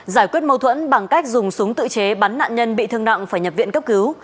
giải quyết mâu thuẫn bằng cách dùng súng tự chế bắn nạn nhân bị thương nặng phải nhập viện cấp cứu